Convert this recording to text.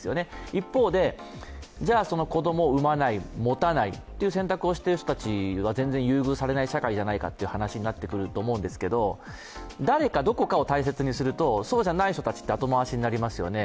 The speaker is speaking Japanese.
一方で、じゃあその子供を産まない持たないという選択している人たちが全然優遇されない社会じゃないかという話になってくると思うんですけど誰か、どこかを大切にすると、そうじゃない人たちは後回しにされますよね。